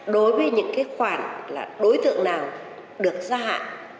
đối với những cái khoản là đối tượng nào được gia hạn